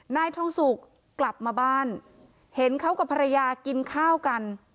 นายทองสุกกลับมาบ้านเห็นเขากับภรรยากินข้าวกัน